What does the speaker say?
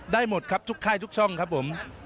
หมดครับทุกค่ายทุกช่องครับผม